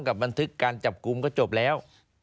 บันทึกการจับกลุ่มก็จบแล้ว